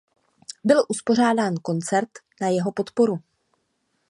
Byl uspořádán koncert na jeho podporu.